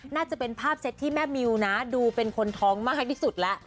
น่าจะเป็นภาพเซตที่แม่มิวนะดูเป็นคนท้องมากที่สุดแล้ว